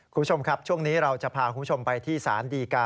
คุณผู้ชมครับช่วงนี้เราจะพาคุณผู้ชมไปที่ศาลดีกา